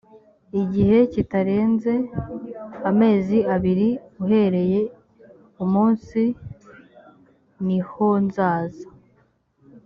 igihe kitarenze amezi abiri uhereye umunsi nihonzaza.